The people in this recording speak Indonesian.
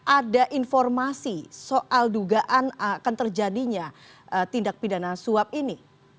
ada informasi soal dugaan akan terjadinya tindak pidana suap ini